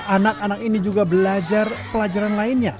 anak anak ini juga belajar pelajaran lainnya